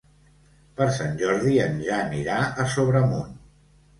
Per Sant Jordi en Jan irà a Sobremunt.